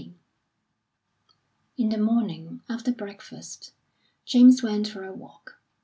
III In the morning, after breakfast, James went for a walk.